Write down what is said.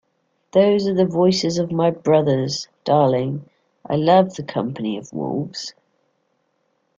Those are the voices of my brothers, darling; I love the company of wolves.